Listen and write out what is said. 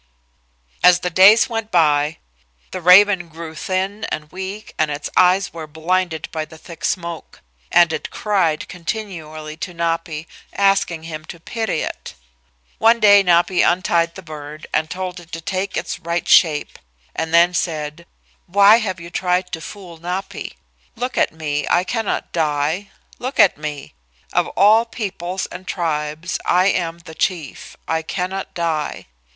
As the days went by the raven grew thin and weak and its eyes were blinded by the thick smoke, and it cried continually to Napi asking him to pity it. One day Napi untied the bird and told it to take its right shape, and then said, "Why have you tried to fool Napi? Look at me. I cannot die. Look at me. Of all peoples and tribes I am the chief. I cannot die.